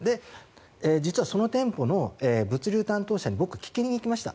実はその店舗の物流担当者に僕、聞きに行きました。